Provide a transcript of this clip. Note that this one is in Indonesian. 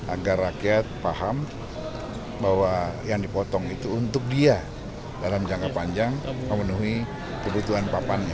agar rakyat paham bahwa yang dipotong itu untuk dia dalam jangka panjang memenuhi kebutuhan papannya